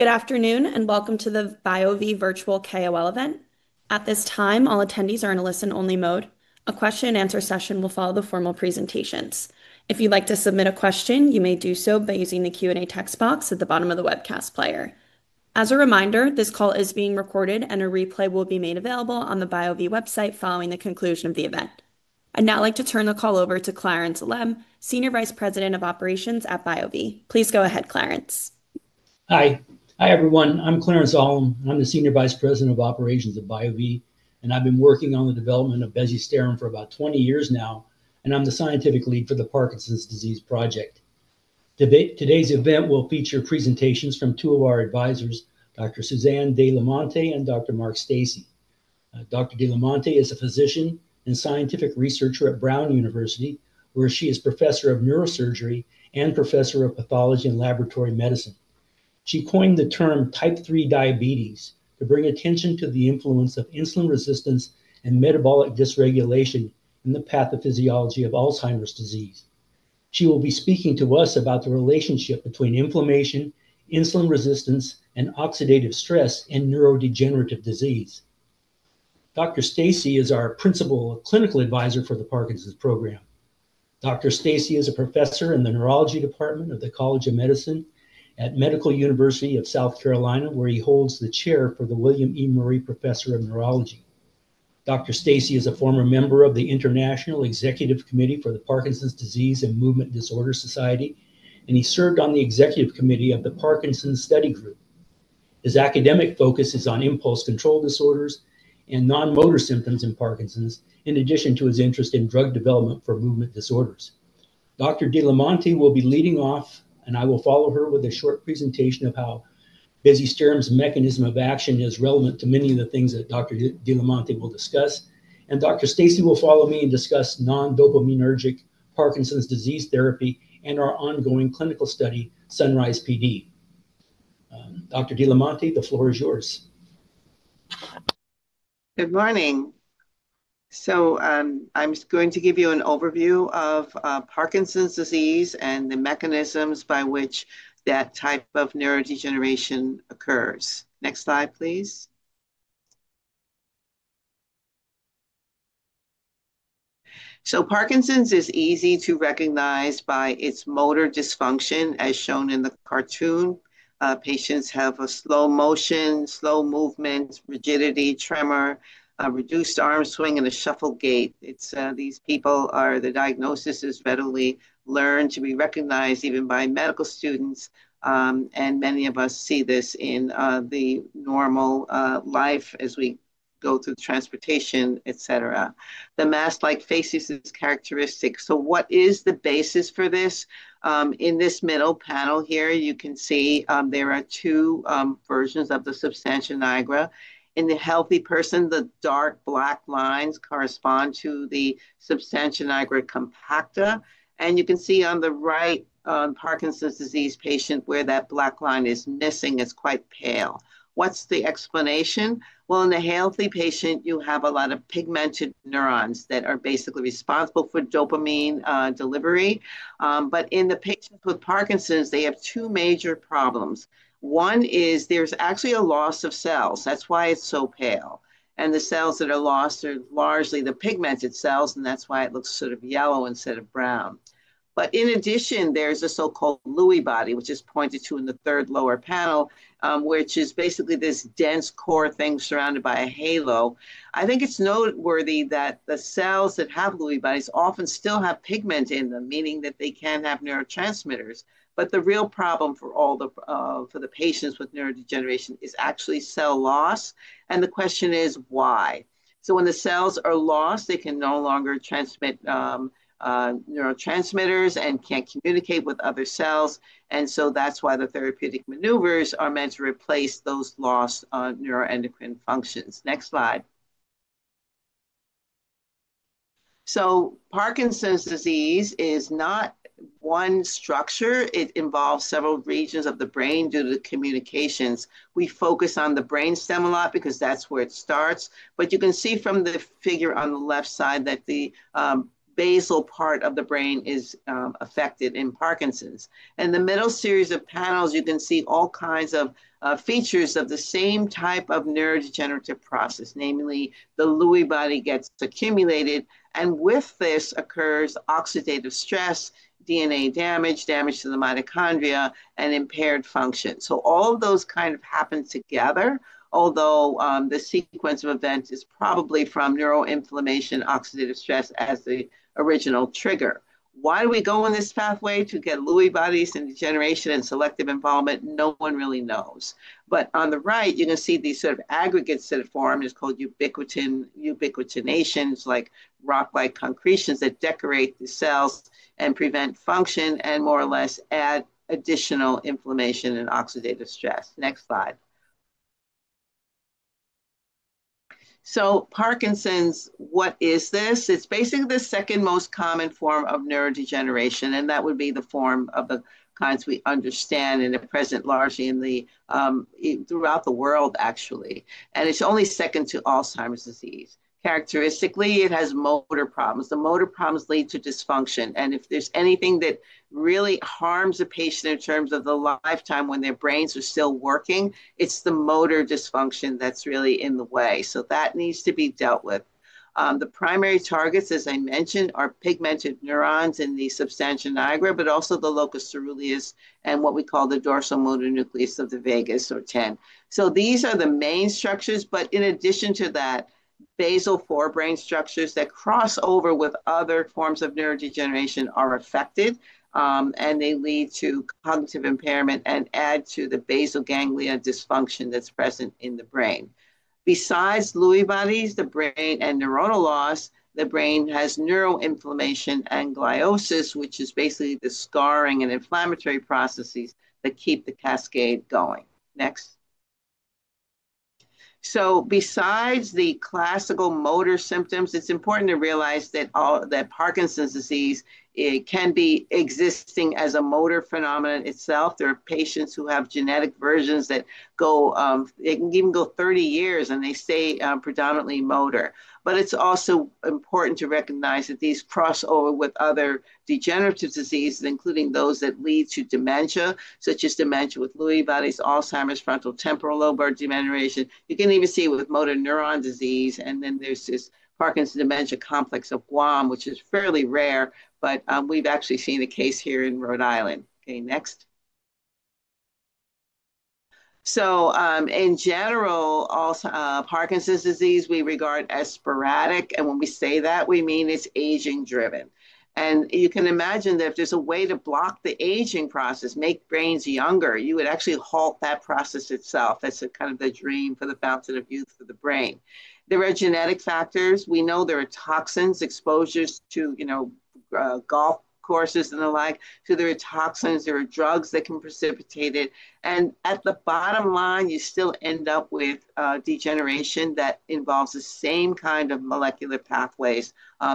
Good afternoon, and welcome to the BioVie virtual KOL event. At this time, all attendees are in a listen-only mode. A Q&A session will follow the formal presentations. If you'd like to submit a question, you may do so by using the Q&A text box at the bottom of the webcast player. As a reminder, this call is being recorded, and a replay will be made available on the BioVie website following the conclusion of the event. I'd now like to turn the call over to Clarence Ahlem, Senior Vice President of Operations at BioVie. Please go ahead, Clarence. Hi. Hi, everyone. I'm Clarence Ahlem. I'm the Senior Vice President of Operations at BioVie, and I've been working on the development of Bezisterim for about 20 years now, and I'm the scientific lead for the Parkinson's Disease Project. Today's event will feature presentations from two of our advisors, Dr. Suzanne de la Monte and Dr. Mark Stacey. Dr. de la Monte is a physician and scientific researcher at Brown University, where she is Professor of Neurosurgery and Professor of Pathology and Laboratory Medicine. She coined the term "type 3 diabetes" to bring attention to the influence of insulin resistance and metabolic dysregulation in the pathophysiology of Alzheimer's disease. She will be speaking to us about the relationship between inflammation, insulin resistance, and oxidative stress in neurodegenerative disease. Dr. Stacey is our Principal Clinical Advisor for the Parkinson's Program. Dr. Stacey is a Professor in the Neurology Department of the College of Medicine at Medical University of South Carolina, where he holds the chair for the William E. Murray Professor of Neurology. Dr. Stacey is a former member of the International Executive Committee for the Parkinson's Disease and Movement Disorder Society, and he served on the Executive Committee of the Parkinson's Study Group. His academic focus is on impulse control disorders and non-motor symptoms in Parkinson's, in addition to his interest in drug development for movement disorders. Dr. De la Monte will be leading off, and I will follow her with a short presentation of how Bezisterim's mechanism of action is relevant to many of the things that Dr. De la Monte will discuss. Dr. Stacey will follow me and discuss non-dopaminergic Parkinson's disease therapy and our ongoing clinical study, Sunrise PD. Dr. De la Monte, the floor is yours. Good morning. I'm going to give you an overview of Parkinson's disease and the mechanisms by which that type of neurodegeneration occurs. Next slide, please. Parkinson's is easy to recognize by its motor dysfunction, as shown in the cartoon. Patients have slow motion, slow movements, rigidity, tremor, reduced arm swing, and a shuffle gait. These people are—the diagnosis is readily learned to be recognized even by medical students. Many of us see this in normal life as we go through transportation, et cetera. The mask-like faces is characteristic. What is the basis for this? In this middle panel here, you can see there are two versions of the substantia nigra. In the healthy person, the dark black lines correspond to the substantia nigra compacta. You can see on the right, on Parkinson's disease patient, where that black line is missing, it's quite pale. What's the explanation? In the healthy patient, you have a lot of pigmented neurons that are basically responsible for dopamine delivery. In the patients with Parkinson's, they have two major problems. One is there's actually a loss of cells. That's why it's so pale. The cells that are lost are largely the pigmented cells, and that's why it looks sort of yellow instead of brown. In addition, there's a so-called Lewy body, which is pointed to in the third lower panel, which is basically this dense core thing surrounded by a halo. I think it's noteworthy that the cells that have Lewy bodies often still have pigment in them, meaning that they can have neurotransmitters. The real problem for all the patients with neurodegeneration is actually cell loss. The question is, why? When the cells are lost, they can no longer transmit neurotransmitters and can't communicate with other cells. That's why the therapeutic maneuvers are meant to replace those lost neuroendocrine functions. Next slide. Parkinson's disease is not one structure. It involves several regions of the brain due to the communications. We focus on the brainstem a lot because that's where it starts. You can see from the figure on the left side that the basal part of the brain is affected in Parkinson's. In the middle series of panels, you can see all kinds of features of the same type of neurodegenerative process, namely the Lewy body gets accumulated. With this occurs oxidative stress, DNA damage, damage to the mitochondria, and impaired function. All of those kind of happen together, although the sequence of events is probably from neuroinflammation, oxidative stress as the original trigger. Why do we go on this pathway to get Lewy bodies and degeneration and selective involvement? No one really knows. On the right, you can see these sort of aggregates that are formed. It's called ubiquitinations. It's like rock-like concretions that decorate the cells and prevent function and more or less add additional inflammation and oxidative stress. Next slide. Parkinson's, what is this? It's basically the second most common form of neurodegeneration. That would be the form of the kinds we understand and are present largely throughout the world, actually. It's only second to Alzheimer's disease. Characteristically, it has motor problems. The motor problems lead to dysfunction. If there is anything that really harms a patient in terms of the lifetime when their brains are still working, it is the motor dysfunction that is really in the way. That needs to be dealt with. The primary targets, as I mentioned, are pigmented neurons in the substantia nigra, but also the locus coeruleus and what we call the dorsal motor nucleus of the vagus or 10. These are the main structures. In addition to that, basal forebrain structures that cross over with other forms of neurodegeneration are affected. They lead to cognitive impairment and add to the basal ganglia dysfunction that is present in the brain. Besides Lewy bodies, the brain and neuronal loss, the brain has neuroinflammation and gliosis, which is basically the scarring and inflammatory processes that keep the cascade going. Next. Besides the classical motor symptoms, it's important to realize that Parkinson's disease can be existing as a motor phenomenon itself. There are patients who have genetic versions that go, they can even go 30 years, and they stay predominantly motor. It's also important to recognize that these cross over with other degenerative diseases, including those that lead to dementia, such as dementia with Lewy bodies, Alzheimer's, frontotemporal lobe degeneration. You can even see it with motor neuron disease. There's this Parkinson's dementia complex of Guam, which is fairly rare. We've actually seen a case here in Rhode Island. Okay, next. In general, Parkinson's disease we regard as sporadic. When we say that, we mean it's aging-driven. You can imagine that if there's a way to block the aging process, make brains younger, you would actually halt that process itself. That's kind of the dream for the fountain of youth for the brain. There are genetic factors. We know there are toxins, exposures to golf courses and the like. There are toxins. There are drugs that can precipitate it. At the bottom line, you still end up with degeneration that involves the same kind of molecular pathways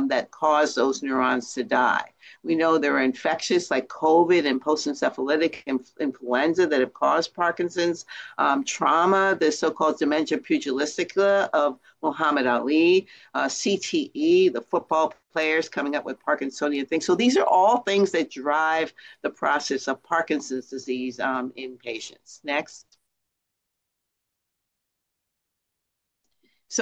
that cause those neurons to die. We know there are infectious like COVID and post-encephalitic influenza that have caused Parkinson's, trauma, the so-called dementia pugilistica of Muhammad Ali, CTE, the football players coming up with Parkinsonian things. These are all things that drive the process of Parkinson's disease in patients. Next.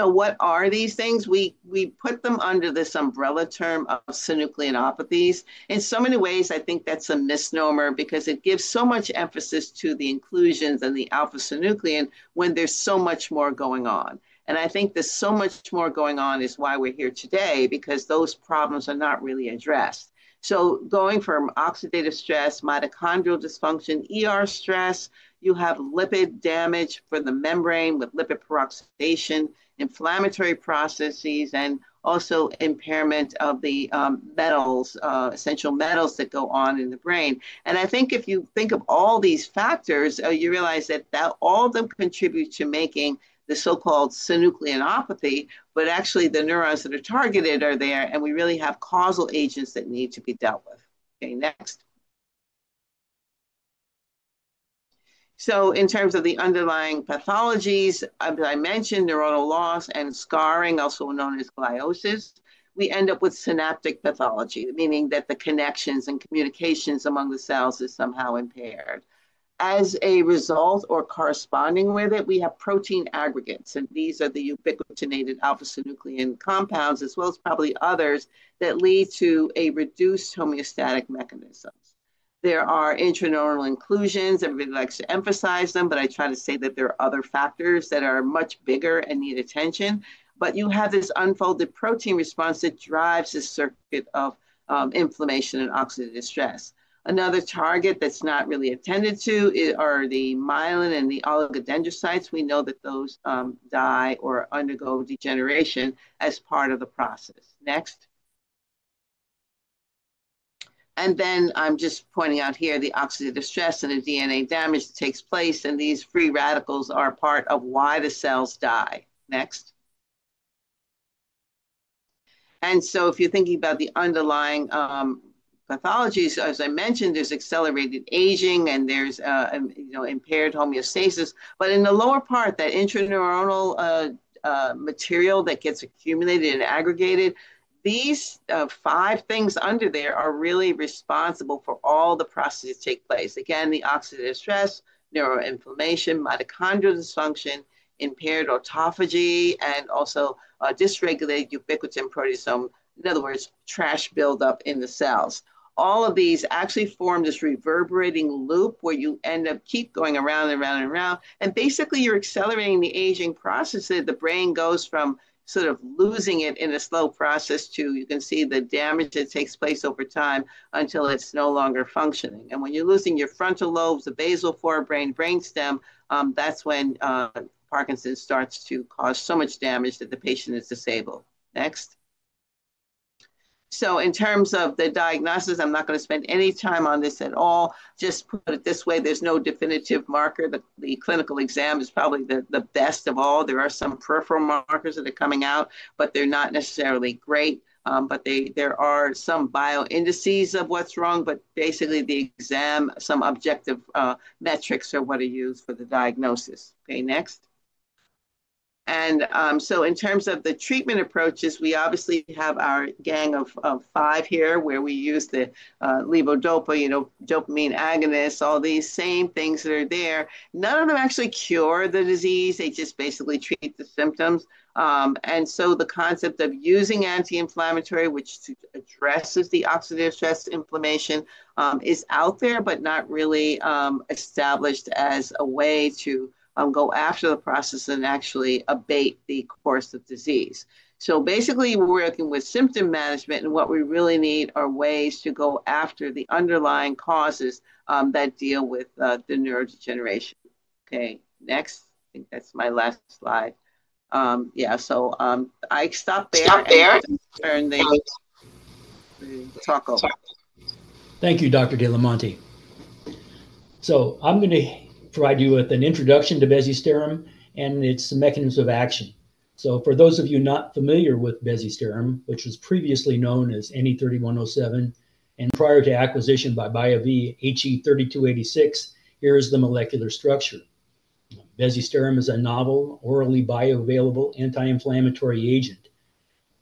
What are these things? We put them under this umbrella term of synucleinopathies. In so many ways, I think that's a misnomer because it gives so much emphasis to the inclusions and the alpha-synuclein when there's so much more going on. I think there's so much more going on is why we're here today because those problems are not really addressed. Going from oxidative stress, mitochondrial dysfunction, ER stress, you have lipid damage for the membrane with lipid peroxidation, inflammatory processes, and also impairment of the essential metals that go on in the brain. I think if you think of all these factors, you realize that all of them contribute to making the so-called synucleinopathy. Actually, the neurons that are targeted are there. We really have causal agents that need to be dealt with. Okay, next. In terms of the underlying pathologies, as I mentioned, neuronal loss and scarring, also known as gliosis, we end up with synaptic pathology, meaning that the connections and communications among the cells are somehow impaired. As a result or corresponding with it, we have protein aggregates. These are the ubiquitinated alpha-synuclein compounds, as well as probably others that lead to a reduced homeostatic mechanism. There are intraneural inclusions. Everybody likes to emphasize them. I try to say that there are other factors that are much bigger and need attention. You have this unfolded protein response that drives this circuit of inflammation and oxidative stress. Another target that's not really attended to are the myelin and the oligodendrocytes. We know that those die or undergo degeneration as part of the process. Next. I'm just pointing out here the oxidative stress and the DNA damage that takes place. These free radicals are part of why the cells die. Next. If you're thinking about the underlying pathologies, as I mentioned, there's accelerated aging and there's impaired homeostasis. In the lower part, that intraneuronal material that gets accumulated and aggregated, these five things under there are really responsible for all the processes that take place. Again, the oxidative stress, neuroinflammation, mitochondrial dysfunction, impaired autophagy, and also dysregulated ubiquitin proteasome. In other words, trash buildup in the cells. All of these actually form this reverberating loop where you end up keep going around and around and around. Basically, you're accelerating the aging process that the brain goes from sort of losing it in a slow process to you can see the damage that takes place over time until it's no longer functioning. When you're losing your frontal lobes, the basal forebrain, brainstem, that's when Parkinson's starts to cause so much damage that the patient is disabled. Next. In terms of the diagnosis, I'm not going to spend any time on this at all. Just put it this way. There's no definitive marker. The clinical exam is probably the best of all. There are some peripheral markers that are coming out, but they're not necessarily great. There are some bioindices of what's wrong. Basically, the exam, some objective metrics are what are used for the diagnosis. Okay, next. In terms of the treatment approaches, we obviously have our gang of five here where we use the Levodopa, dopamine agonists, all these same things that are there. None of them actually cure the disease. They just basically treat the symptoms. The concept of using anti-inflammatory, which addresses the oxidative stress inflammation, is out there but not really established as a way to go after the process and actually abate the course of disease. Basically, we're working with symptom management. What we really need are ways to go after the underlying causes that deal with the neurodegeneration. Okay, next. I think that's my last slide. Yeah, I stop there. Stop there. Turn the talk over. Thank you, Dr. de la Monte. I'm going to provide you with an introduction to Bezisterim and its mechanisms of action. For those of you not familiar with Bezisterim, which was previously known as NE3107 and prior to acquisition by BioVie, HE3286, here is the molecular structure. Bezisterim is a novel, orally bioavailable anti-inflammatory agent.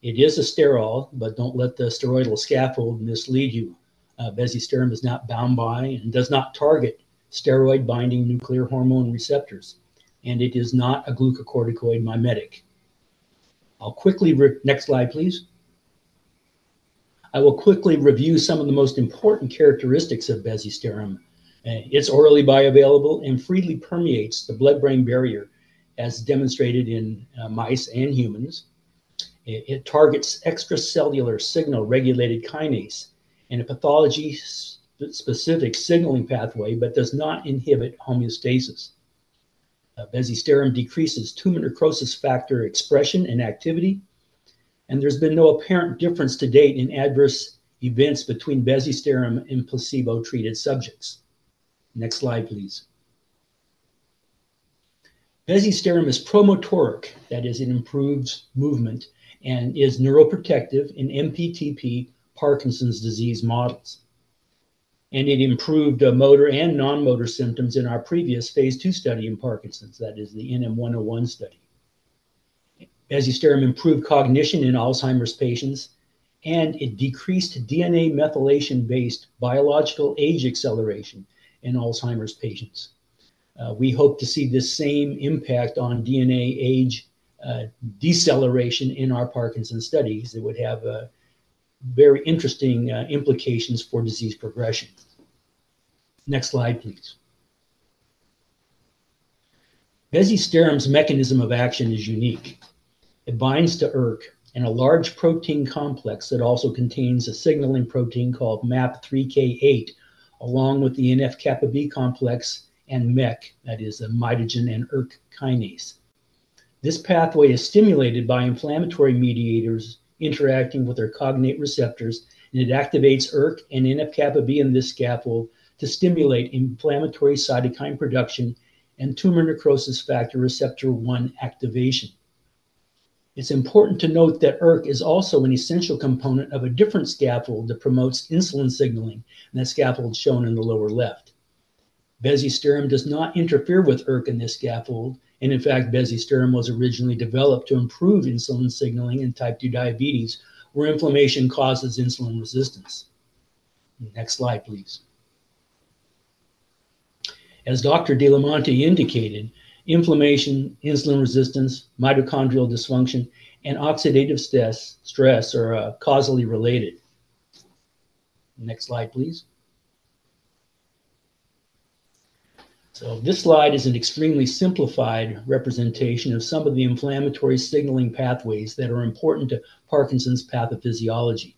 It is a sterol, but do not let the steroidal scaffold mislead you. Bezisterim is not bound by and does not target steroid-binding nuclear hormone receptors. It is not a glucocorticoid mimetic. Next slide, please. I will quickly review some of the most important characteristics of Bezisterim. It is orally bioavailable and freely permeates the blood-brain barrier as demonstrated in mice and humans. It targets extracellular signal-regulated kinase in a pathology-specific signaling pathway but does not inhibit homeostasis. Bezisterim decreases tumor necrosis factor expression and activity. There has been no apparent difference to date in adverse events between Bezisterim and placebo-treated subjects. Next slide, please. Bezisterim is promotoric. That is, it improves movement and is neuroprotective in MPTP Parkinson's disease models. It improved motor and non-motor symptoms in our previous phase II study in Parkinson's. That is, the NM101 study. Bezisterim improved cognition in Alzheimer's patients. It decreased DNA methylation-based biological age acceleration in Alzheimer's patients. We hope to see the same impact on DNA age deceleration in our Parkinson's studies. It would have very interesting implications for disease progression. Next slide, please. Bezisterim's mechanism of action is unique. It binds to ERK and a large protein complex that also contains a signaling protein called MAP3K8 along with the NF-kappa B complex and MEK. That is, the mitogen and ERK kinase. This pathway is stimulated by inflammatory mediators interacting with their cognate receptors. It activates ERK and NF-kappa B in this scaffold to stimulate inflammatory cytokine production and tumor necrosis factor receptor 1 activation. It is important to note that ERK is also an essential component of a different scaffold that promotes insulin signaling, and that scaffold is shown in the lower left. Bezisterim does not interfere with ERK in this scaffold. In fact, Bezisterim was originally developed to improve insulin signaling in type 2 diabetes where inflammation causes insulin resistance. Next slide, please. As Dr. de la Monte indicated, inflammation, insulin resistance, mitochondrial dysfunction, and oxidative stress are causally related. Next slide, please. This slide is an extremely simplified representation of some of the inflammatory signaling pathways that are important to Parkinson's pathophysiology.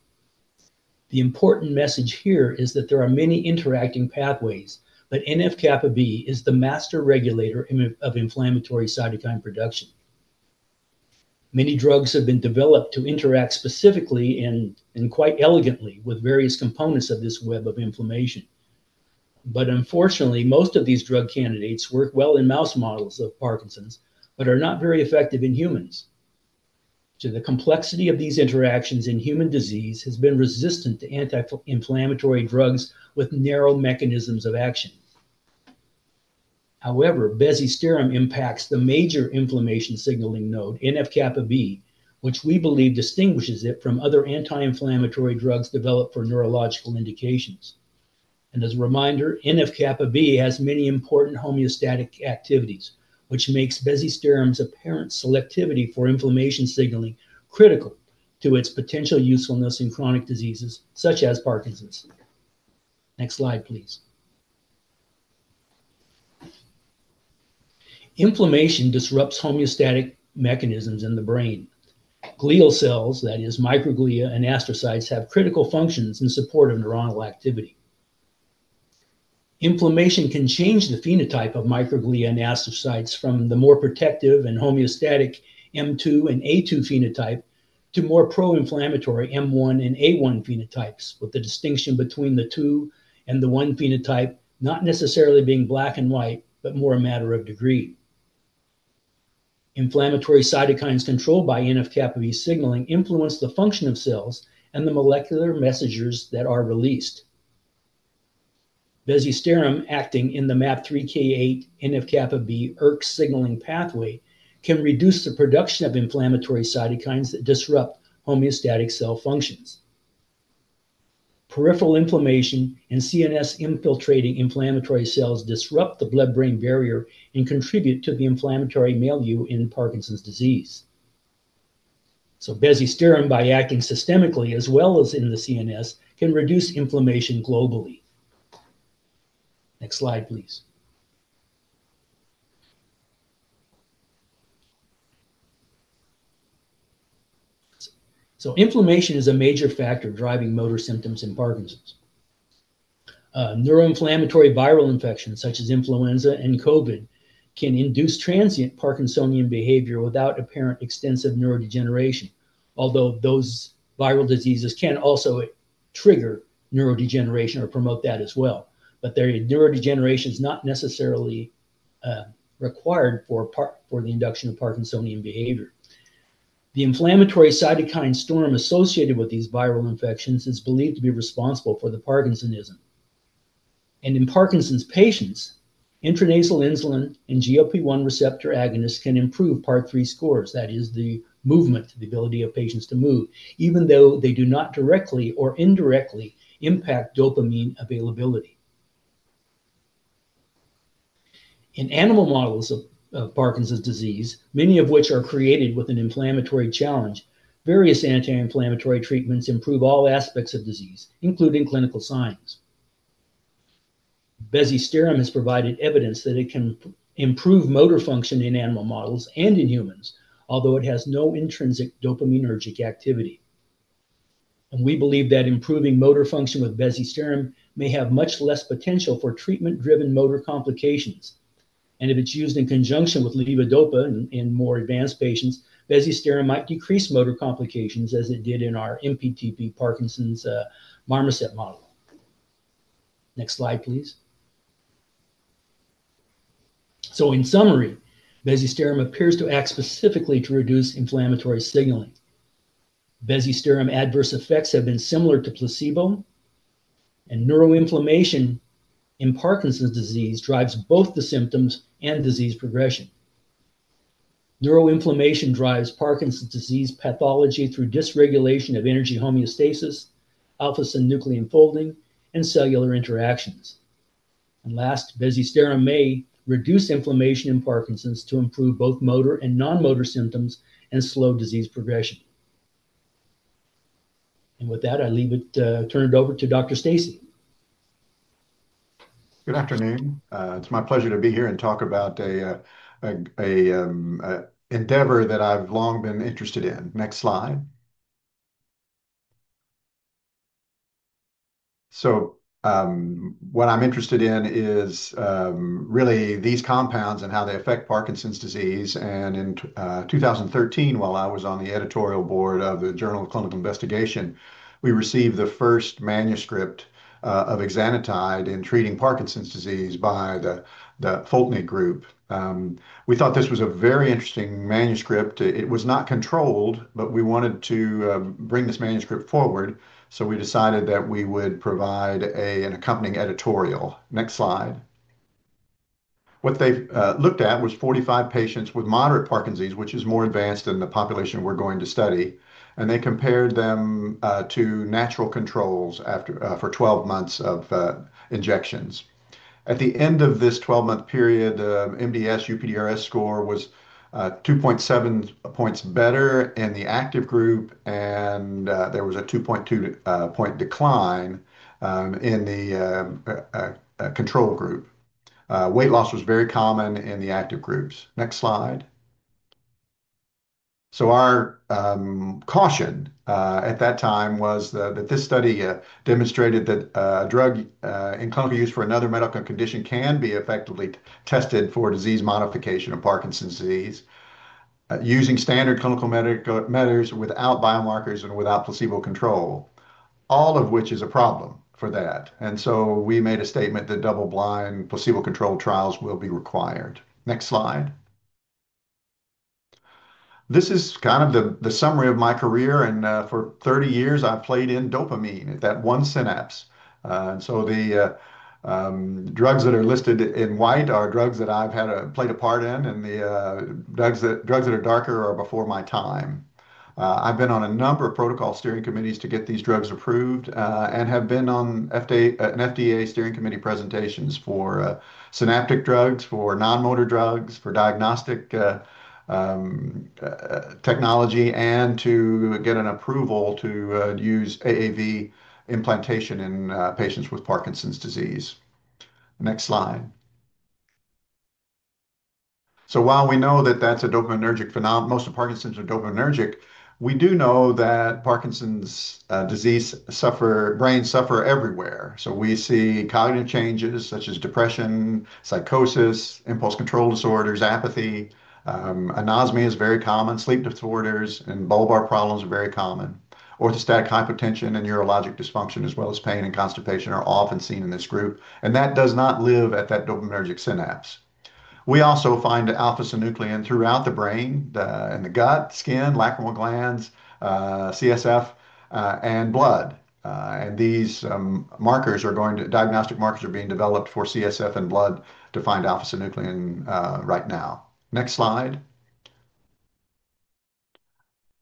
The important message here is that there are many interacting pathways. NF-kappa B is the master regulator of inflammatory cytokine production. Many drugs have been developed to interact specifically and quite elegantly with various components of this web of inflammation. Unfortunately, most of these drug candidates work well in mouse models of Parkinson's but are not very effective in humans. The complexity of these interactions in human disease has been resistant to anti-inflammatory drugs with narrow mechanisms of action. However, Bezisterim impacts the major inflammation signaling node, NF-kappa B, which we believe distinguishes it from other anti-inflammatory drugs developed for neurological indications. As a reminder, NF-kappa B has many important homeostatic activities, which makes Bezisterim's apparent selectivity for inflammation signaling critical to its potential usefulness in chronic diseases such as Parkinson's. Next slide, please. Inflammation disrupts homeostatic mechanisms in the brain. Glial cells, that is, microglia and astrocytes, have critical functions in support of neuronal activity. Inflammation can change the phenotype of microglia and astrocytes from the more protective and homeostatic M2 and A2 phenotype to more pro-inflammatory M1 and A1 phenotypes, with the distinction between the 2 and the 1 phenotype not necessarily being black and white but more a matter of degree. Inflammatory cytokines controlled by NF-kappa B signaling influence the function of cells and the molecular messengers that are released. Bezisterim acting in the MAP3K8 NF-kappa B ERK signaling pathway can reduce the production of inflammatory cytokines that disrupt homeostatic cell functions. Peripheral inflammation and CNS infiltrating inflammatory cells disrupt the blood-brain barrier and contribute to the inflammatory milieu in Parkinson's disease. Bezisterim, by acting systemically as well as in the CNS, can reduce inflammation globally. Next slide, please. Inflammation is a major factor driving motor symptoms in Parkinson's. Neuroinflammatory viral infections such as influenza and COVID can induce transient Parkinsonian behavior without apparent extensive neurodegeneration, although those viral diseases can also trigger neurodegeneration or promote that as well. Their neurodegeneration is not necessarily required for the induction of Parkinsonian behavior. The inflammatory cytokine storm associated with these viral infections is believed to be responsible for the Parkinsonism. In Parkinson's patients, intranasal insulin and GLP-1 receptor agonists can improve PAR3 scores. That is, the movement, the ability of patients to move, even though they do not directly or indirectly impact dopamine availability. In animal models of Parkinson's disease, many of which are created with an inflammatory challenge, various anti-inflammatory treatments improve all aspects of disease, including clinical signs. Bezisterim has provided evidence that it can improve motor function in animal models and in humans, although it has no intrinsic dopaminergic activity. We believe that improving motor function with Bezisterim may have much less potential for treatment-driven motor complications. If it is used in conjunction with Levodopa in more advanced patients, Bezisterim might decrease motor complications as it did in our MPTP Parkinson's marmoset model. Next slide, please. In summary, Bezisterim appears to act specifically to reduce inflammatory signaling. Bezisterim adverse effects have been similar to placebo. Neuroinflammation in Parkinson's disease drives both the symptoms and disease progression. Neuroinflammation drives Parkinson's disease pathology through dysregulation of energy homeostasis, alpha-synuclein folding, and cellular interactions. Last, Bezisterim may reduce inflammation in Parkinson's to improve both motor and non-motor symptoms and slow disease progression. With that, I turn it over to Dr. Stacey. Good afternoon. It is my pleasure to be here and talk about an endeavor that I have long been interested in. Next slide. What I'm interested in is really these compounds and how they affect Parkinson's disease. In 2013, while I was on the editorial board of the Journal of Clinical Investigation, we received the first manuscript of Exenatide in treating Parkinson's disease by the Fulton Group. We thought this was a very interesting manuscript. It was not controlled, but we wanted to bring this manuscript forward. We decided that we would provide an accompanying editorial. Next slide. What they looked at was 45 patients with moderate Parkinson's, which is more advanced than the population we're going to study. They compared them to natural controls for 12 months of injections. At the end of this 12-month period, MDS UPDRS score was 2.7 points better in the active group. There was a 2.2-point decline in the control group. Weight loss was very common in the active groups. Next slide. Our caution at that time was that this study demonstrated that a drug in clinical use for another medical condition can be effectively tested for disease modification of Parkinson's disease using standard clinical measures without biomarkers and without placebo control, all of which is a problem for that. We made a statement that double-blind placebo-controlled trials will be required. Next slide. This is kind of the summary of my career. For 30 years, I've played in dopamine at that one synapse. The drugs that are listed in white are drugs that I've played a part in. The drugs that are darker are before my time. I've been on a number of protocol steering committees to get these drugs approved and have been on FDA steering committee presentations for synaptic drugs, for non-motor drugs, for diagnostic technology, and to get an approval to use AAV implantation in patients with Parkinson's disease. Next slide. While we know that that's a dopaminergic phenomenon, most of Parkinson's are dopaminergic, we do know that Parkinson's disease brains suffer everywhere. We see cognitive changes such as depression, psychosis, impulse control disorders, apathy. Anosmia is very common. Sleep disorders and bulbar problems are very common. Orthostatic hypotension and neurologic dysfunction, as well as pain and constipation, are often seen in this group. That does not live at that dopaminergic synapse. We also find alpha-synuclein throughout the brain and the gut, skin, lacrimal glands, CSF, and blood. These diagnostic markers are being developed for CSF and blood to find alpha-synuclein right now. Next slide.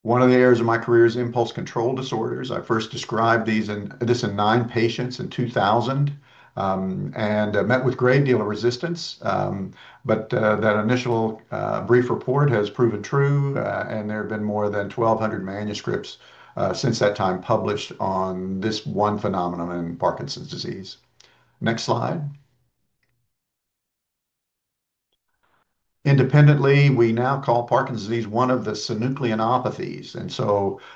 One of the areas of my career is impulse control disorders. I first described this in nine patients in 2000 and met with a great deal of resistance. That initial brief report has proven true. There have been more than 1,200 manuscripts since that time published on this one phenomenon in Parkinson's disease. Next slide. Independently, we now call Parkinson's disease one of the synucleinopathies.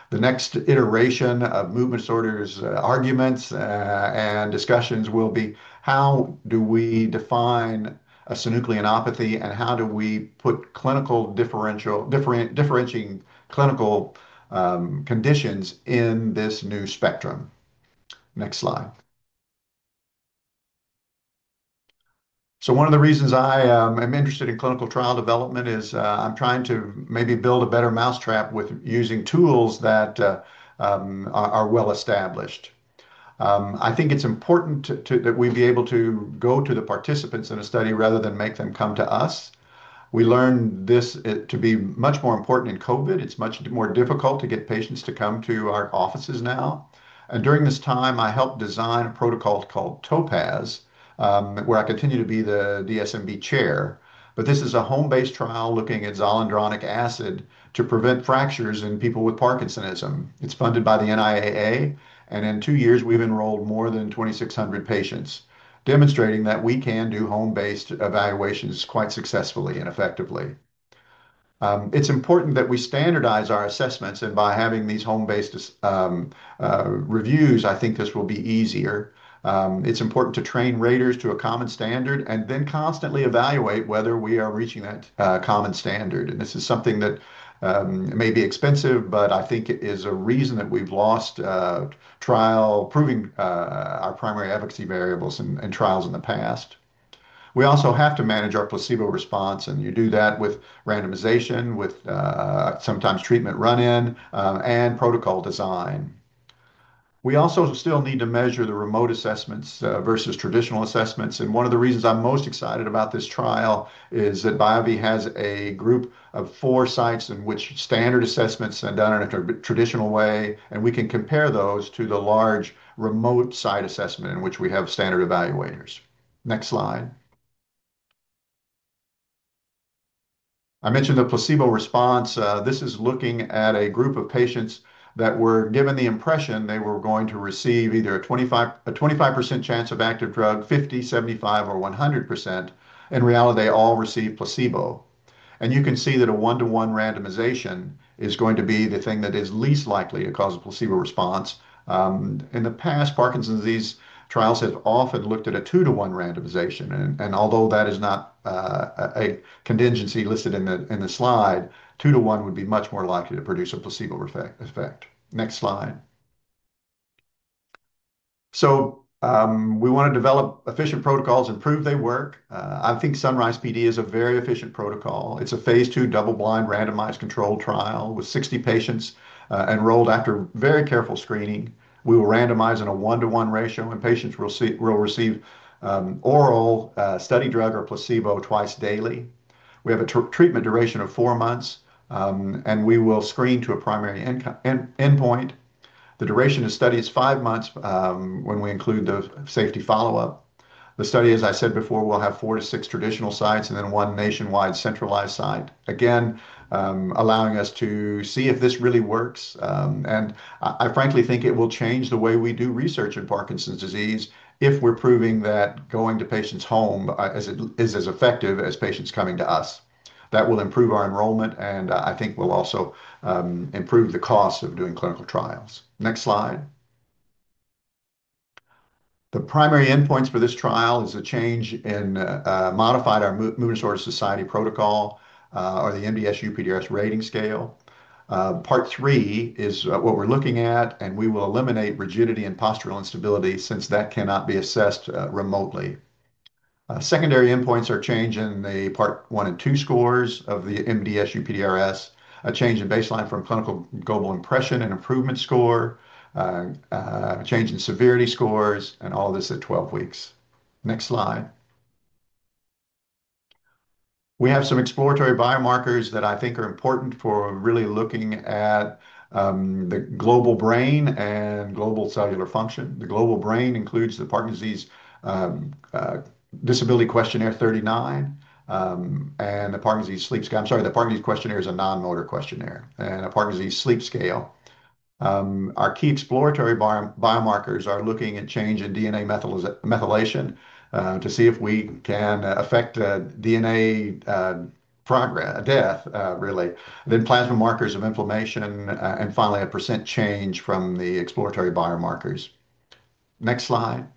The next iteration of movement disorders arguments and discussions will be how do we define a synucleinopathy and how do we differentiate clinical conditions in this new spectrum. Next slide. One of the reasons I am interested in clinical trial development is I'm trying to maybe build a better mousetrap using tools that are well established. I think it's important that we be able to go to the participants in a study rather than make them come to us. We learned this to be much more important in COVID. It's much more difficult to get patients to come to our offices now. During this time, I helped design a protocol called TOPAZ, where I continue to be the DSMB chair. This is a home-based trial looking at xylandronic acid to prevent fractures in people with Parkinsonism. It's funded by the NIAA. In two years, we've enrolled more than 2,600 patients, demonstrating that we can do home-based evaluations quite successfully and effectively. It's important that we standardize our assessments. By having these home-based reviews, I think this will be easier. It's important to train raters to a common standard and then constantly evaluate whether we are reaching that common standard. This is something that may be expensive, but I think it is a reason that we've lost trial proving our primary efficacy variables in trials in the past. We also have to manage our placebo response. You do that with randomization, with sometimes treatment run-in, and protocol design. We also still need to measure the remote assessments versus traditional assessments. One of the reasons I'm most excited about this trial is that BioVie has a group of four sites in which standard assessments are done in a traditional way. We can compare those to the large remote site assessment in which we have standard evaluators. Next slide. I mentioned the placebo response. This is looking at a group of patients that were given the impression they were going to receive either a 25% chance of active drug, 50%, 75%, or 100%. In reality, they all received placebo. You can see that a one-to-one randomization is going to be the thing that is least likely to cause a placebo response. In the past, Parkinson's disease trials have often looked at a two-to-one randomization. Although that is not a contingency listed in the slide, two-to-one would be much more likely to produce a placebo effect. Next slide. We want to develop efficient protocols and prove they work. I think Sunrise PD is a very efficient protocol. It is a phase II double-blind randomized controlled trial with 60 patients enrolled after very careful screening. We will randomize in a one-to-one ratio. Patients will receive oral study drug or placebo twice daily. We have a treatment duration of four months. We will screen to a primary endpoint. The duration of the study is five months when we include the safety follow-up. The study, as I said before, will have four to six traditional sites and then one nationwide centralized site, again, allowing us to see if this really works. I frankly think it will change the way we do research in Parkinson's disease if we're proving that going to patients' home is as effective as patients coming to us. That will improve our enrollment. I think will also improve the cost of doing clinical trials. Next slide. The primary endpoints for this trial is a change in modified our Movement Disorder Society protocol or the MDS UPDRS rating scale. Part three is what we're looking at. We will eliminate rigidity and postural instability since that cannot be assessed remotely. Secondary endpoints are change in the part one and two scores of the MDS UPDRS, a change in baseline from clinical global impression and improvement score, a change in severity scores, and all this at 12 weeks. Next slide. We have some exploratory biomarkers that I think are important for really looking at the global brain and global cellular function. The global brain includes the Parkinson's disease disability questionnaire 39 and the Parkinson's disease sleep scale. I'm sorry, the Parkinson's disease questionnaire is a non-motor questionnaire and a Parkinson's disease sleep scale. Our key exploratory biomarkers are looking at change in DNA methylation to see if we can affect DNA death, really, then plasma markers of inflammation, and finally, a percent change from the exploratory biomarkers. Next slide.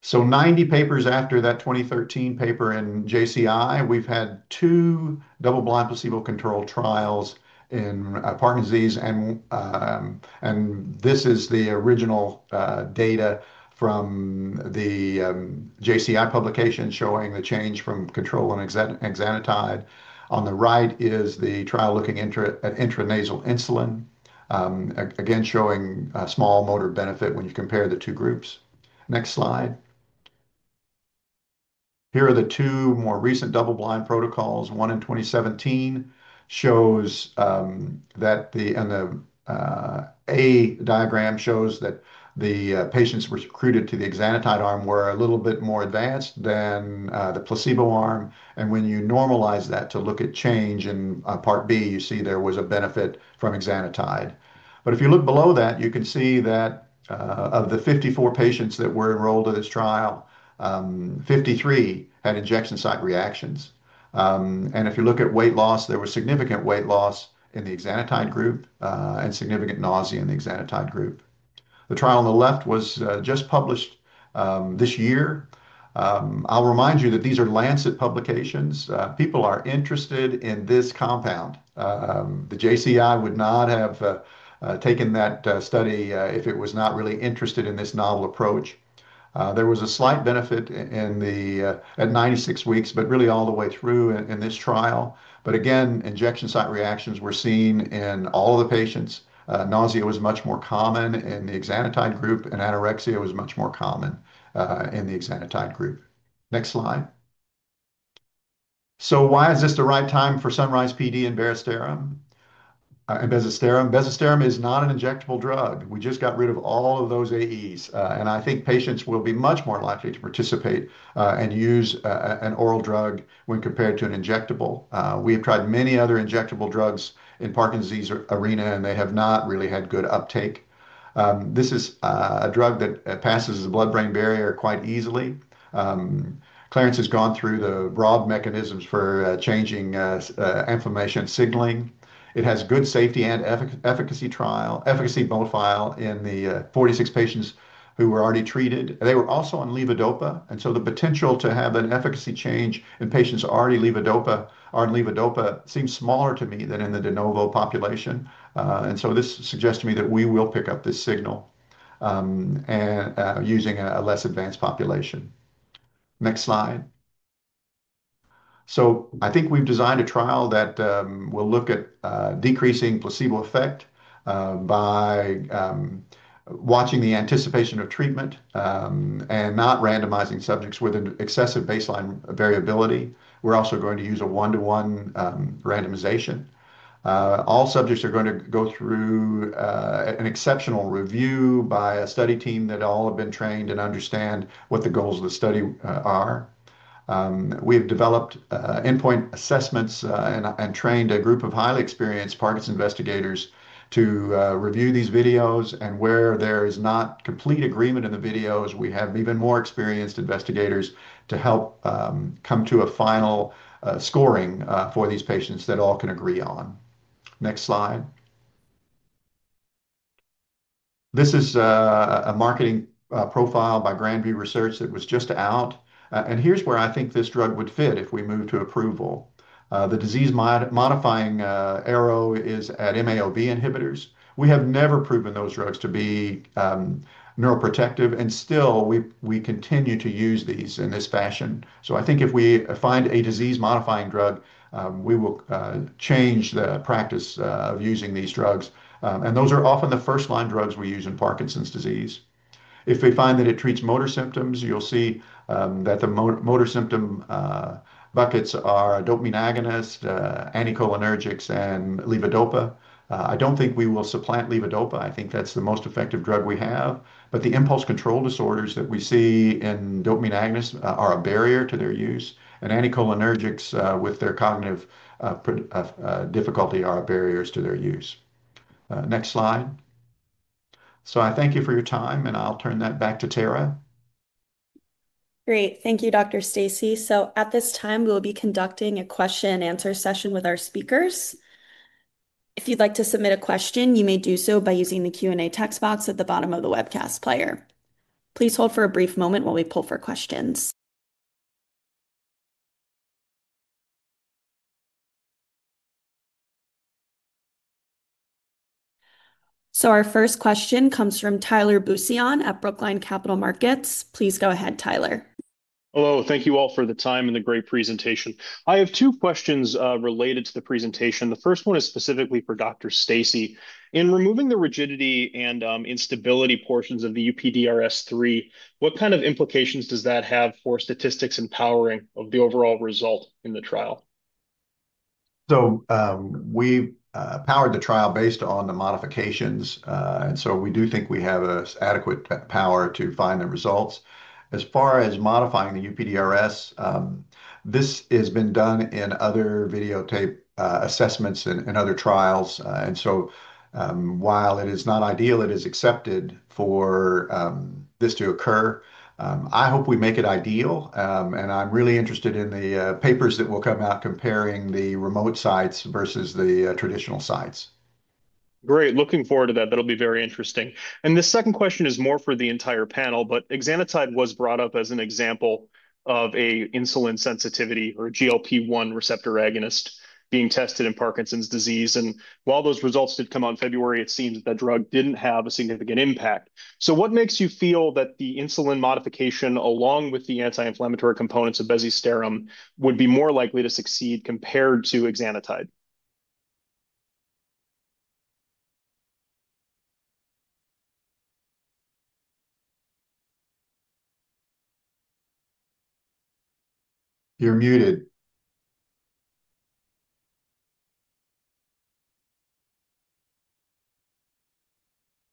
So 90 papers after that 2013 paper in JCI, we've had two double-blind placebo-controlled trials in Parkinson's disease. This is the original data from the JCI publication showing the change from control and Exenatide. On the right is the trial looking at intranasal insulin, again, showing a small motor benefit when you compare the two groups. Next slide. Here are the two more recent double-blind protocols. One in 2017 shows that the A diagram shows that the patients recruited to the Exenatide arm were a little bit more advanced than the placebo arm. When you normalize that to look at change in part B, you see there was a benefit from Exenatide. If you look below that, you can see that of the 54 patients that were enrolled in this trial, 53 had injection site reactions. If you look at weight loss, there was significant weight loss in the Exenatide group and significant nausea in the Exenatide group. The trial on the left was just published this year. I'll remind you that these are Lancet publications. People are interested in this compound. The JCI would not have taken that study if it was not really interested in this novel approach. There was a slight benefit at 96 weeks, but really all the way through in this trial. Again, injection site reactions were seen in all of the patients. Nausea was much more common in the Exenatide group, and anorexia was much more common in the Exenatide group. Next slide. Why is this the right time for Sunrise PD and Bezisterim? Bezisterim is not an injectable drug. We just got rid of all of those AEs. I think patients will be much more likely to participate and use an oral drug when compared to an injectable. We have tried many other injectable drugs in Parkinson's disease arena, and they have not really had good uptake. This is a drug that passes the blood-brain barrier quite easily. Clarence has gone through the broad mechanisms for changing inflammation signaling. It has good safety and efficacy profile in the 46 patients who were already treated. They were also on Levodopa. The potential to have an efficacy change in patients already on Levodopa seems smaller to me than in the de novo population. This suggests to me that we will pick up this signal using a less advanced population. Next slide. I think we've designed a trial that will look at decreasing placebo effect by watching the anticipation of treatment and not randomizing subjects with an excessive baseline variability. We're also going to use a one-to-one randomization. All subjects are going to go through an exceptional review by a study team that all have been trained and understand what the goals of the study are. We have developed endpoint assessments and trained a group of highly experienced Parkinson's investigators to review these videos. Where there is not complete agreement in the videos, we have even more experienced investigators to help come to a final scoring for these patients that all can agree on. Next slide. This is a marketing profile by Grand View Research that was just out. Here's where I think this drug would fit if we move to approval. The disease-modifying arrow is at MAO-B inhibitors. We have never proven those drugs to be neuroprotective. Still, we continue to use these in this fashion. I think if we find a disease-modifying drug, we will change the practice of using these drugs. Those are often the first-line drugs we use in Parkinson's disease. If we find that it treats motor symptoms, you'll see that the motor symptom buckets are dopamine agonist, anticholinergics, and Levodopa. I don't think we will supplant Levodopa. I think that's the most effective drug we have. The impulse control disorders that we see in dopamine agonists are a barrier to their use. Anticholinergics with their cognitive difficulty are barriers to their use. Next slide. I thank you for your time. I'll turn that back to Tara. Great. Thank you, Dr. Stacey. At this time, we will be conducting a question-and-answer session with our speakers. If you'd like to submit a question, you may do so by using the Q&A text box at the bottom of the webcast player. Please hold for a brief moment while we pull for questions. Our first question comes from Tyler Bussian at Brookline Capital Markets. Please go ahead, Tyler. Hello. Thank you all for the time and the great presentation. I have two questions related to the presentation. The first one is specifically for Dr. Stacey. In removing the rigidity and instability portions of the UPDRS3, what kind of implications does that have for statistics and powering of the overall result in the trial? We powered the trial based on the modifications. We do think we have adequate power to find the results. As far as modifying the UPDRS, this has been done in other videotape assessments and other trials. While it is not ideal, it is accepted for this to occur. I hope we make it ideal. I'm really interested in the papers that will come out comparing the remote sites versus the traditional sites. Great. Looking forward to that. That will be very interesting. The second question is more for the entire panel. Xanotide was brought up as an example of an insulin sensitivity or GLP-1 receptor agonist being tested in Parkinson's disease. While those results did come out in February, it seems that the drug did not have a significant impact. What makes you feel that the insulin modification along with the anti-inflammatory components of Bezisterim would be more likely to succeed compared to Xanotide? You are muted.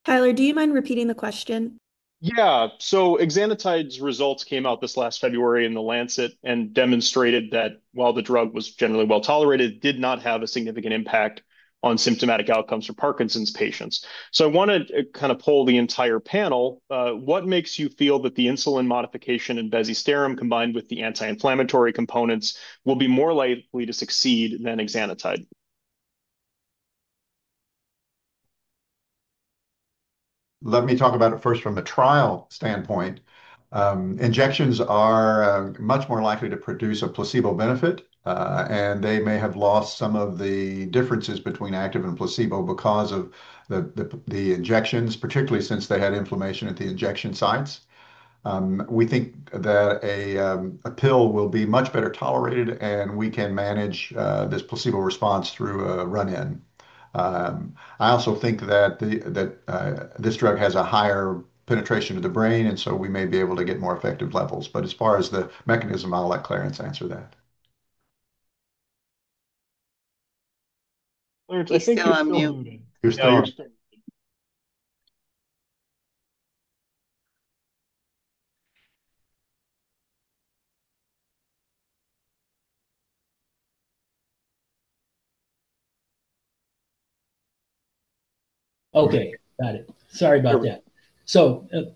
Tyler, do you mind repeating the question? Yeah. Xanotide's results came out this last February in The Lancet and demonstrated that while the drug was generally well tolerated, it did not have a significant impact on symptomatic outcomes for Parkinson's patients. I want to kind of poll the entire panel. What makes you feel that the insulin modification in Bezisterim combined with the anti-inflammatory components will be more likely to succeed than Exenatide? Let me talk about it first from the trial standpoint. Injections are much more likely to produce a placebo benefit. They may have lost some of the differences between active and placebo because of the injections, particularly since they had inflammation at the injection sites. We think that a pill will be much better tolerated. We can manage this placebo response through a run-in. I also think that this drug has a higher penetration to the brain. We may be able to get more effective levels. As far as the mechanism, I'll let Clarence answer that. Clarence, you're still on mute. You're still on mute. Okay. Got it. Sorry about that.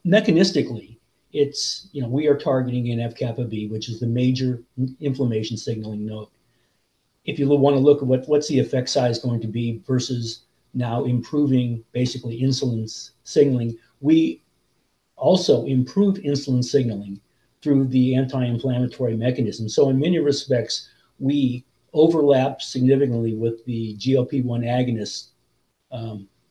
Mechanistically, we are targeting NF-kappa B, which is the major inflammation signaling node. If you want to look at what's the effect size going to be versus now improving basically insulin signaling, we also improve insulin signaling through the anti-inflammatory mechanism. In many respects, we overlap significantly with the GLP-1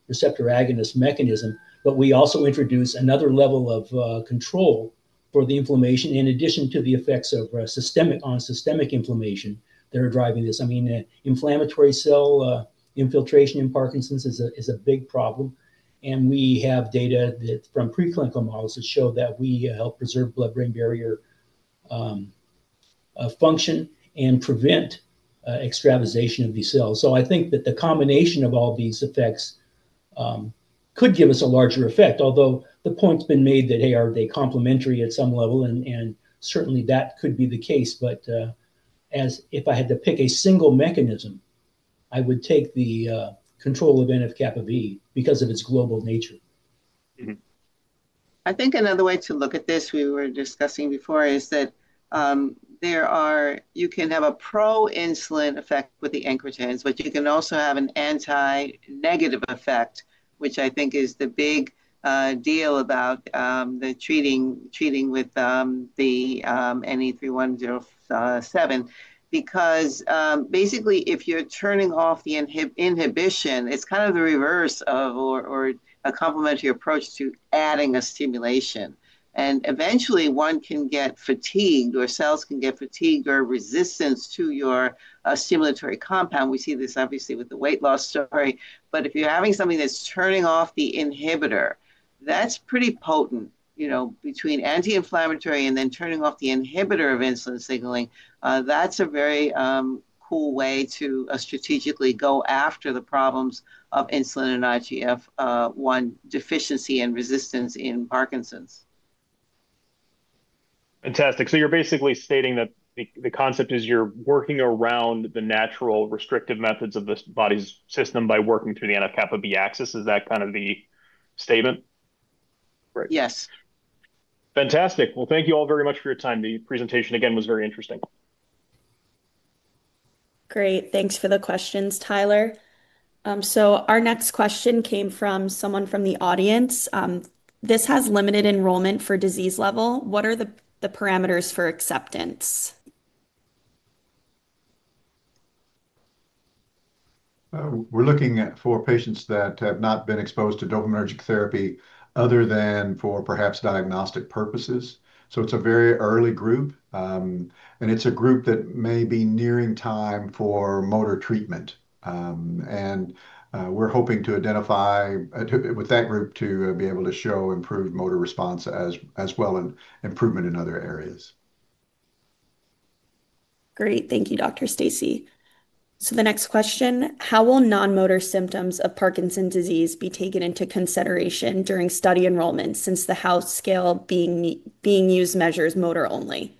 receptor agonist mechanism. We also introduce another level of control for the inflammation in addition to the effects of systemic on systemic inflammation that are driving this. I mean, inflammatory cell infiltration in Parkinson's is a big problem. We have data from preclinical models that show that we help preserve blood-brain barrier function and prevent extravasation of these cells. I think that the combination of all these effects could give us a larger effect. Although the point's been made that they are complementary at some level. Certainly, that could be the case. If I had to pick a single mechanism, I would take the control of NF-kappa B because of its global nature. I think another way to look at this we were discussing before is that you can have a pro-insulin effect with the [ankylotens], but you can also have an anti-negative effect, which I think is the big deal about treating with the NE3107. Because basically, if you're turning off the inhibition, it's kind of the reverse of or a complementary approach to adding a stimulation. Eventually, one can get fatigued or cells can get fatigued or resistance to your stimulatory compound. We see this obviously with the weight loss story. If you're having something that's turning off the inhibitor, that's pretty potent. Between anti-inflammatory and then turning off the inhibitor of insulin signaling, that's a very cool way to strategically go after the problems of insulin and IGF-1 deficiency and resistance in Parkinson's. Fantastic. You are basically stating that the concept is you are working around the natural restrictive methods of the body's system by working through the NF-kappa B axis. Is that kind of the statement? Yes. Fantastic. Thank you all very much for your time. The presentation, again, was very interesting. Great. Thanks for the questions, Tyler. Our next question came from someone from the audience. This has limited enrollment for disease level. What are the parameters for acceptance? We are looking four patients that have not been exposed to dopaminergic therapy other than for perhaps diagnostic purposes. It is a very early group. It is a group that may be nearing time for motor treatment. We're hoping to identify with that group to be able to show improved motor response as well and improvement in other areas. Great. Thank you, Dr. Stacey. The next question, how will non-motor symptoms of Parkinson's disease be taken into consideration during study enrollment since the Howe scale being used measures motor only?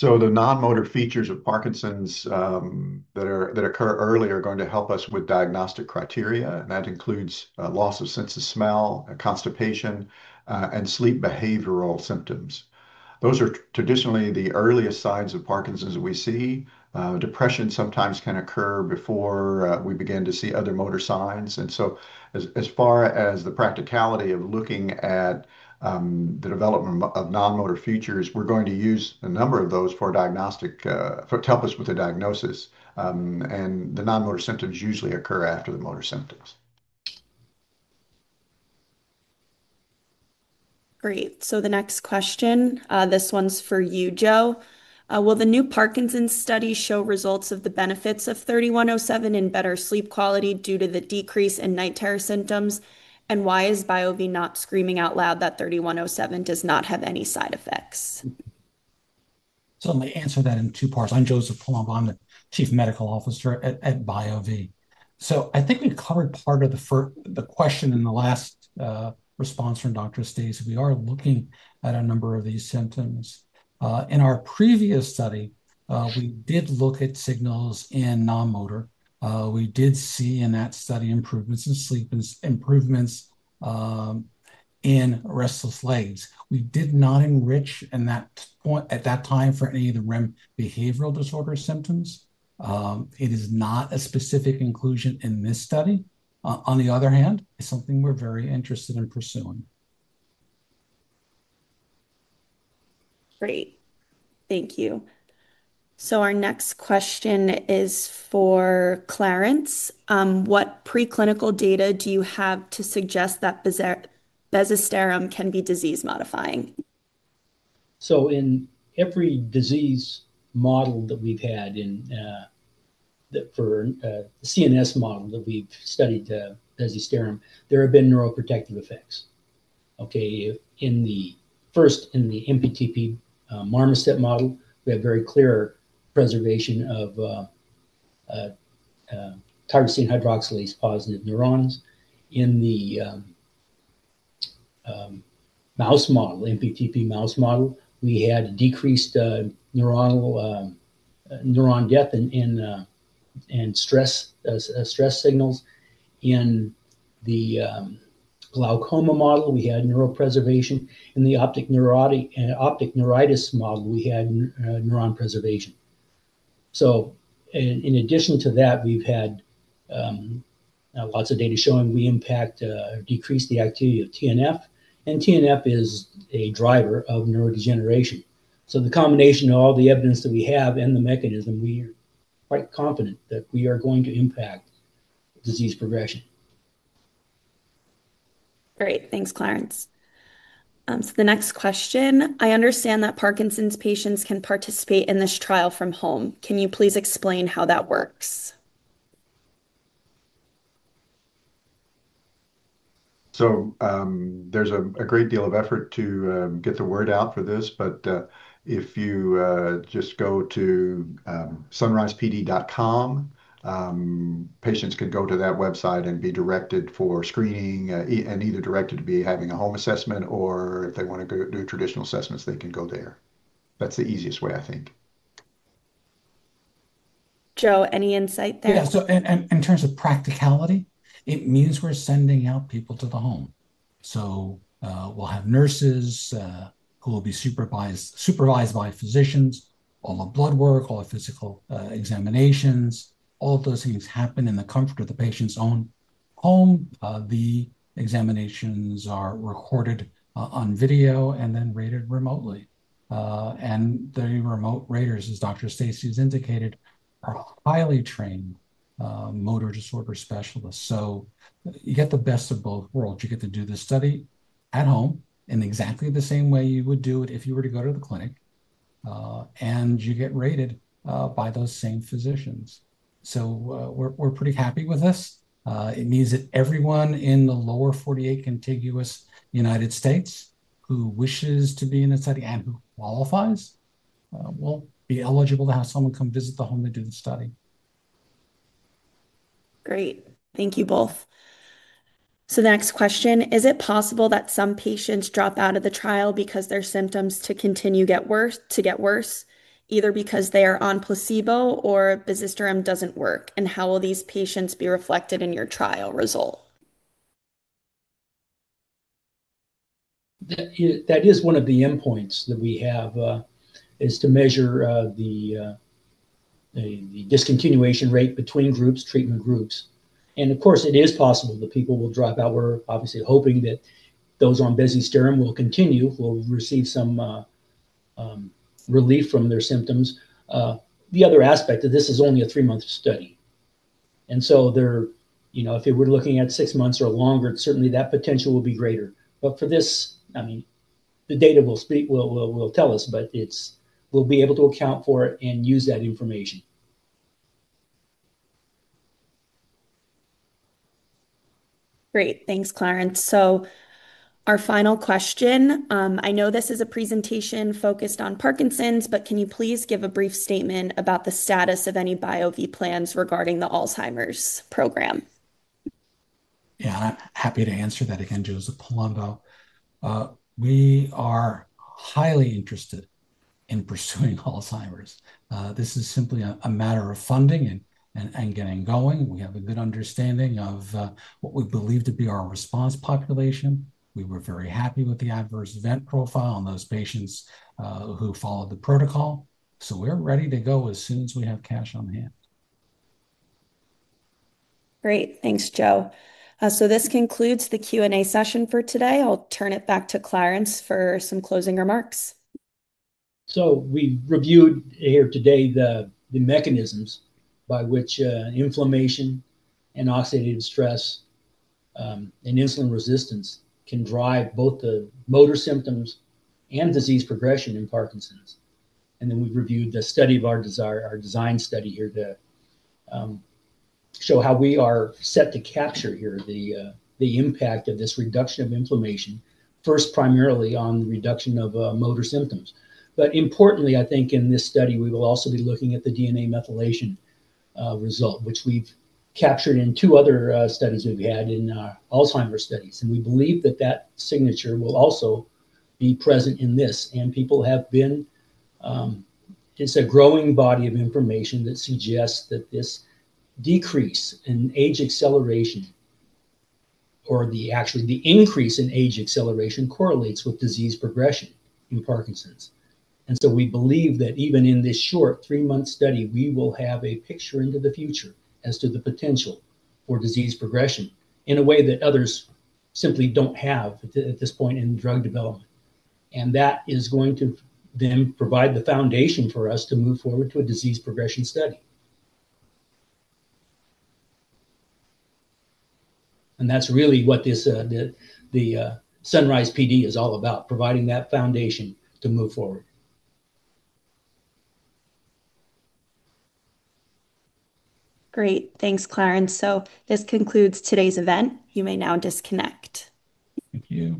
The non-motor features of Parkinson's that occur early are going to help us with diagnostic criteria. That includes loss of sense of smell, constipation, and sleep behavioral symptoms. Those are traditionally the earliest signs of Parkinson's that we see. Depression sometimes can occur before we begin to see other motor signs. As far as the practicality of looking at the development of non-motor features, we're going to use a number of those for diagnostic to help us with the diagnosis. The non-motor symptoms usually occur after the motor symptoms. Great. The next question, this one's for you, Joe. Will the new Parkinson's study show results of the benefits of 3107 in better sleep quality due to the decrease in night terror symptoms? Why is BioVie not screaming out loud that 3107 does not have any side effects? I'm going to answer that in two parts. I'm Joseph Plumb. I'm the Chief Medical Officer at BioVie. I think we covered part of the question in the last response from Dr. Stacey. We are looking at a number of these symptoms. In our previous study, we did look at signals in non-motor. We did see in that study improvements in sleep and improvements in restless legs. We did not enrich at that time for any of the REM behavioral disorder symptoms. It is not a specific inclusion in this study. On the other hand, it's something we're very interested in pursuing. Great. Thank you. Our next question is for Clarence. What preclinical data do you have to suggest that Bezisterim can be disease-modifying? In every disease model that we've had for the CNS model that we've studied Bezisterim, there have been neuroprotective effects. In the first, in the MPTP marmoset model, we have very clear preservation of tyrosine hydroxylase-positive neurons. In the mouse model, MPTP mouse model, we had decreased neuron death and stress signals. In the glaucoma model, we had neuropreservation. In the optic neuritis model, we had neuron preservation. In addition to that, we've had lots of data showing we decreased the activity of TNF. TNF is a driver of neurodegeneration. So the combination of all the evidence that we have and the mechanism, we are quite confident that we are going to impact disease progression. Great. Thanks, Clarence. The next question, I understand that Parkinson's patients can participate in this trial from home. Can you please explain how that works? There is a great deal of effort to get the word out for this. If you just go to sunrisepd.com, patients can go to that website and be directed for screening and either directed to be having a home assessment, or if they want to do traditional assessments, they can go there. That is the easiest way, I think. Joe, any insight there? Yeah. In terms of practicality, it means we are sending out people to the home. We will have nurses who will be supervised by physicians, all the blood work, all the physical examinations. All of those things happen in the comfort of the patient's own home. The examinations are recorded on video and then rated remotely. The remote raters, as Dr. Stacey has indicated, are highly trained motor disorder specialists. You get the best of both worlds. You get to do this study at home in exactly the same way you would do it if you were to go to the clinic. You get rated by those same physicians. We're pretty happy with this. It means that everyone in the lower 48 contiguous United States who wishes to be in the study and who qualifies will be eligible to have someone come visit the home and do the study. Great. Thank you both. The next question, is it possible that some patients drop out of the trial because their symptoms continue to get worse, either because they are on placebo or Bezisterim does not work? And how will these patients be reflected in your trial result? That is one of the endpoints that we have, to measure the discontinuation rate between treatment groups. Of course, it is possible that people will drop out. We are obviously hoping that those on Bezisterim will continue, will receive some relief from their symptoms. The other aspect of this is it is only a three-month study. If you were looking at six months or longer, certainly that potential would be greater. For this, I mean, the data will tell us, but we will be able to account for it and use that information. Great. Thanks, Clarence. Our final question, I know this is a presentation focused on Parkinson's, but can you please give a brief statement about the status of any BioVie plans regarding the Alzheimer's program? Yeah. I'm happy to answer that again, Joseph Plumb. We are highly interested in pursuing Alzheimer's. This is simply a matter of funding and getting going. We have a good understanding of what we believe to be our response population. We were very happy with the adverse event profile on those patients who followed the protocol. We're ready to go as soon as we have cash on hand. Great. Thanks, Joe. This concludes the Q&A session for today. I'll turn it back to Clarence for some closing remarks. We reviewed here today the mechanisms by which inflammation and oxidative stress and insulin resistance can drive both the motor symptoms and disease progression in Parkinson's. We have reviewed the design of our study here to show how we are set to capture the impact of this reduction of inflammation, first primarily on the reduction of motor symptoms. Importantly, I think in this study, we will also be looking at the DNA methylation result, which we have captured in two other studies we have had in Alzheimer's studies. We believe that that signature will also be present in this. People have been—it's a growing body of information that suggests that this decrease in age acceleration or actually the increase in age acceleration correlates with disease progression in Parkinson's. We believe that even in this short three-month study, we will have a picture into the future as to the potential for disease progression in a way that others simply do not have at this point in drug development. That is going to then provide the foundation for us to move forward to a disease progression study. That is really what the Sunrise PD is all about, providing that foundation to move forward. Great. Thanks, Clarence. This concludes today's event. You may now disconnect. Thank you.